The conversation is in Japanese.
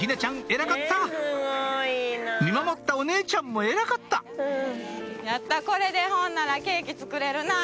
偉かった見守ったお姉ちゃんも偉かったやったこれでほんならケーキ作れるな。